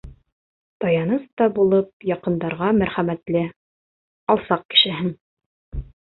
Таяныс та булып яҡындарға Мәрхәмәтле, алсаҡ кешеһең!